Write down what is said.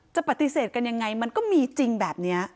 จะปฏิเสธกันยังไงมันก็มีจริงแบบนี้